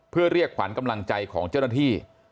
เพื่อเรียกขวัญกำลังใจของเจ้าหน้าที่